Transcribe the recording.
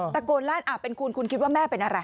ตะโกนลั่นเป็นคุณคุณคิดว่าแม่เป็นอะไร